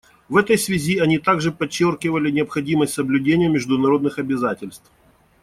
В этой связи они также подчеркивали необходимость соблюдения международных обязательств.